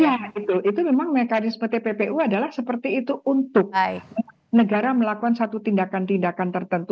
ya itu memang mekanisme tppu adalah seperti itu untuk negara melakukan satu tindakan tindakan tertentu